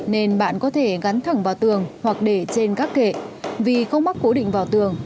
nên bạn có thể gắn thẳng vào tường hoặc để trên các kệ vì không mắc cố định vào tường